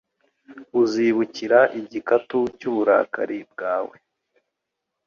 uzibukira igikatu cy’uburakari bwawe